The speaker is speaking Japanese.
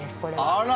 あら！